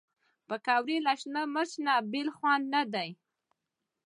پکورې له شنه مرچ نه بېل نه دي